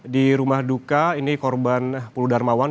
di rumah duka ini korban pulu darmawan